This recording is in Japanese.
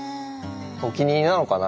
お気に入りなのかな？